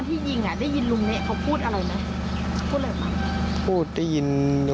ได้ยินลุงเนะเขาพูดอะไรไหมพูดอะไรมา